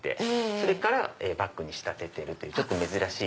それからバッグに仕立てるというちょっと珍しい。